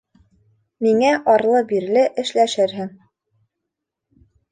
Миңә арлы-бирле эшләшерһең.